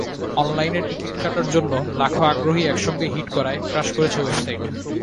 অনলাইনে টিকিট কাটার জন্য লাখো আগ্রহী একসঙ্গে হিট করায় ক্রাশ করেছে ওয়েবসাইট।